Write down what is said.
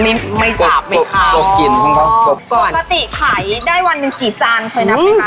มีเนื้ออีกเมนูหนึ่ง